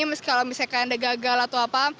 meskipun misalkan ada gagal atau apa